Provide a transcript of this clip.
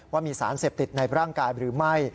ว่ามีสารเสพติดในร่างกายหรือไม่